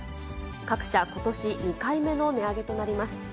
各社、ことし２回目の値上げとなります。